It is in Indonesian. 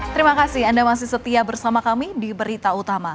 terima kasih anda masih setia bersama kami di berita utama